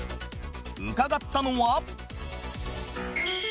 伺ったのは